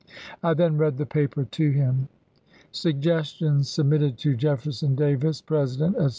I then read the paper to him. Jan., m& "' Suggestions submitted to Jefferson Davis, President, etc.